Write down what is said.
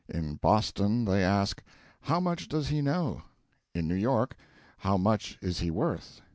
In Boston they ask, How much does he know? in New York, How much is he worth?